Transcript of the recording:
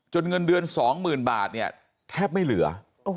จนเงินเดือนสองหมื่นบาทเนี่ยแทบไม่เหลือ